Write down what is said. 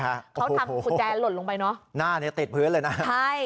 เขาทำกุญแจหล่นลงไปเนอะหน้าเนี้ยติดพื้นเลยนะใช่